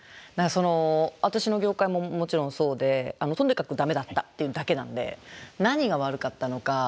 私の業界ももちろんそうでとにかくダメだったっていうだけなんで何が悪かったのか。